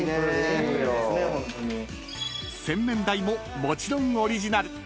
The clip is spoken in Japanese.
［洗面台ももちろんオリジナル］